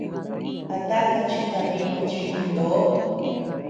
¿A taka chikadinud chi a ndo?